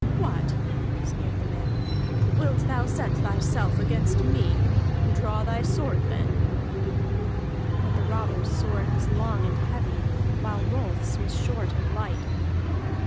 "What," sneered the man, "wilt thou set thyself against me? Draw thy sword, then!" But the robber's sword was long and heavy, while Rolf's was short and light.